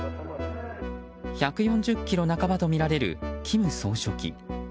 １４０ｋｇ半ばとみられる金総書記。